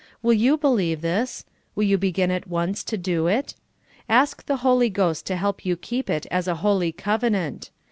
Will you believe this ? Will you begin at once to do it ? Ask the Holy Ghost to help you keep it as a hol}^ covenant.